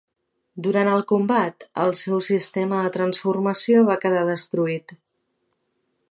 Durant el combat, el seu sistema de transformació va quedar destruït.